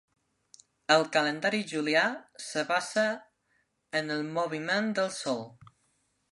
El calendari julià es basa en el moviment del Sol.